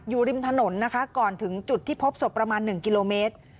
อยู่ริมถนนนะคะก่อนถึงจุดที่พบศพประมาณ๑กิโลเมตร